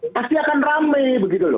pasti akan rame